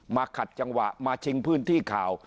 ขัดจังหวะมาชิงพื้นที่ข่าว